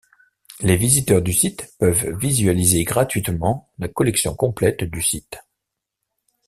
Les visiteurs du site peuvent visualiser gratuitement la collection complète du site.